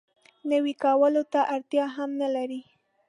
نوي کولو ته اړتیا هم نه لري.